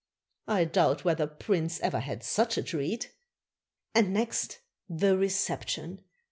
I doubt whether prince ever had such a treat. And next the reception!